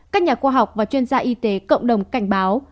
các nhà khoa học và chuyên gia y tế cộng đồng cảnh báo